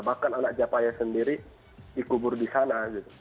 bahkan anak japaya sendiri dikubur di sana